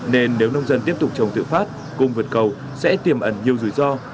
nên nếu nông dân tiếp tục trồng tự phát cung vượt cầu sẽ tiềm ẩn nhiều rủi ro